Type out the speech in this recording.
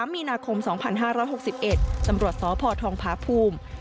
๑๓มีนาคม๒๕๖๑จำรวจสพภภูมิ